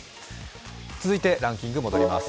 続いて、ランキング戻ります。